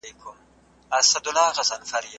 د ټولنپوهنې اصلي هدف څه دی؟